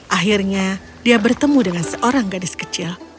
akhirnya dia bertemu dengan seorang gadis kecil